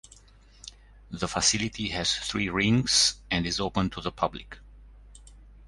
The facility has three rinks and is open to the public.